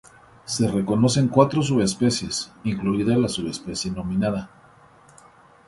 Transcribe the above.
Se reconocen cuatro subespecies, incluida la subespecie nominada.